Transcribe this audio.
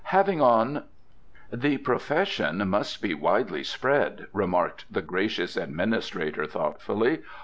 Having on " "The profession must be widely spread," remarked the gracious administrator thoughtfully.